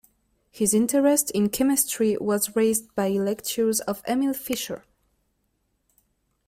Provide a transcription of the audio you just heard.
His interest in chemistry was raised by lectures of Emil Fischer.